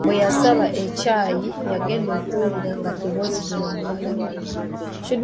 Bweyasamba ekyayi yagenda okuwulira nga eddoboozi lya muwala we.